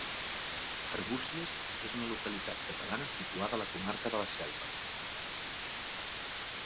Arbúcies és una localitat catalana situada a la comarca de la Selva.